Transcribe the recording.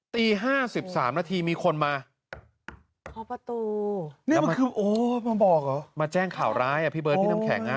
ตี๕๓นาทีมีคนมามาแจ้งข่าวร้ายพี่เบิร์ตพี่น้ำแข็ง